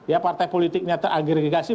ya partai politiknya teragregasi